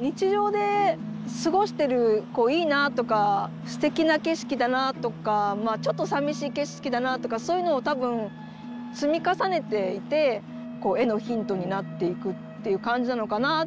日常で過ごしてるこういいなとかすてきな景色だなとかまあちょっとさみしい景色だなとかそういうのを多分積み重ねていてこう絵のヒントになっていくっていう感じなのかな。